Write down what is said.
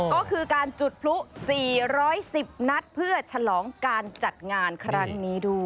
ก็คือการจุดพลุ๔๑๐นัดเพื่อฉลองการจัดงานครั้งนี้ด้วย